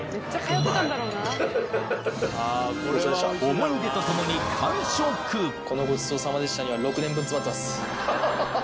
思い出とともに完食この「ごちそうさまでした」には６年分詰まってます。